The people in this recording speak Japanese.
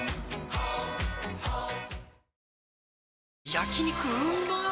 焼肉うまっ